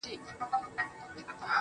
ژوند مې له ګوتې را نيؤلے روان کړے مې دے